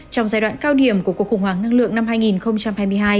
trong giai đoạn cao điểm của cuộc khủng hoảng năng lượng năm hai nghìn hai mươi hai